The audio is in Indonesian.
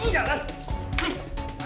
masih saya gak salah